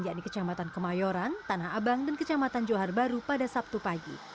yakni kecamatan kemayoran tanah abang dan kecamatan johar baru pada sabtu pagi